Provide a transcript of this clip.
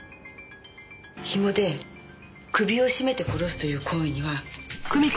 ひもで首を絞めて殺すという行為には。